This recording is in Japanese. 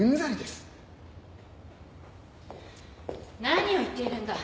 何を言っているんだ？